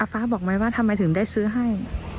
ฟ้าบอกไหมว่าทำไมถึงได้ซื้อให้